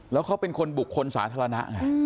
แล้วเขาเป็นคนบุคคลสาธารณะไง